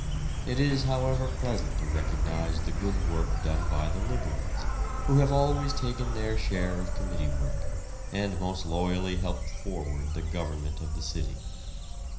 It is, however, pleasant to recognise the good work done by the Liberals, who have always taken their share of committee work and most loyally helped forward the government of the city.